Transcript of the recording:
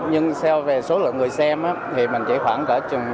nhưng so với số lượng người xem thì mình chỉ khoảng kể chừng bảy mươi năm tám mươi thôi